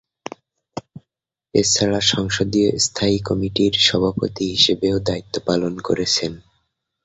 এ ছাড়া সংসদীয় স্থায়ী কমিটির সভাপতি হিসেবেও দায়িত্ব পালন করেছেন।